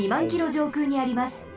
じょうくうにあります。